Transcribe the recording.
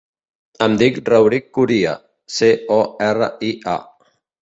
Em dic Rauric Coria: ce, o, erra, i, a.